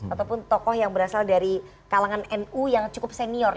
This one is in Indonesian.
ataupun tokoh yang berasal dari kalangan nu yang cukup senior